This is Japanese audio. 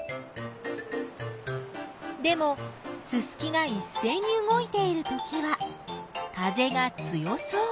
でもススキがいっせいに動いているときは風が強そう。